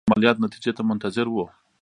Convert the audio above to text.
د عملیات نتیجې ته منتظر وو.